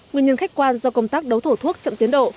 nguyên nhân khách quan do công tác đấu thổ thuốc chậm tiến độ